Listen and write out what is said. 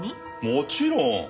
もちろん。